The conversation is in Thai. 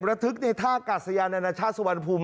ระทึกในท่ากาศยานานาชาติสุวรรณภูมิ